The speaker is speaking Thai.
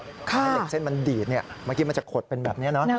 ถ้าเหล็กเส้นมันดีดเมื่อกี้มันจะขดเป็นแบบนี้เนอะ